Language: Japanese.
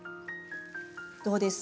どうです？